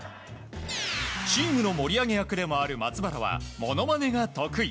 チームの盛り上げ役でもある松原は物まねが得意。